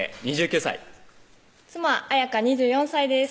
２９歳妻・彩圭２４歳です